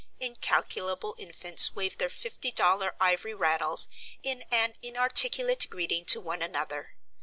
Incalculable infants wave their fifty dollar ivory rattles in an inarticulate greeting to one another.